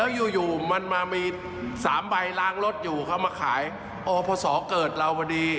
แล้วอยู่มันมามี๓ใบล้างรถอยู่เขามาขายอพศเกิดเราพอดี